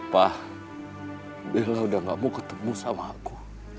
pa bela udah gak mau ketemu sama aku